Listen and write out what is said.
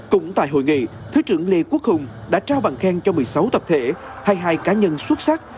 cũng tại hội nghị thứ trưởng lê quốc hùng đã trao bằng khen cho một mươi sáu tập thể hai mươi hai cá nhân xuất sắc